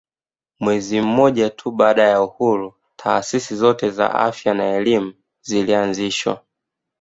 Mwezi mmoja tu baada ya uhuru taasisi zote za afya na elimu zilianzishwa